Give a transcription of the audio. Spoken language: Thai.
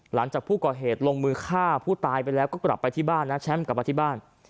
หลังจากผู้ก่อเหตุลงมือฆ่าผู้ตายไปแล้วก็กลับไปที่บ้านนะแชมป์กลับมาที่บ้าน